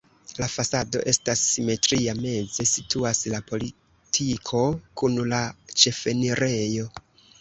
La fasado estas simetria, meze situas la portiko kun la ĉefenirejo.